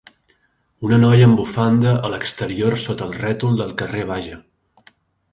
Una noia amb bufanda a l'exterior sota el rètol del carrer Bage.